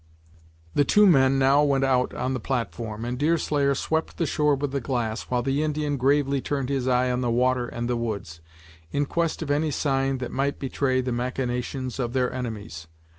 The two men now went out on the platform, and Deerslayer swept the shore with the glass, while the Indian gravely turned his eye on the water and the woods, in quest of any sign that might betray the machinations of their enemies.